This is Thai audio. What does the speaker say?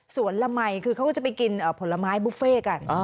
ละมัยคือเขาก็จะไปกินผลไม้บุฟเฟ่กัน